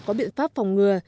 có biện pháp phòng ngừa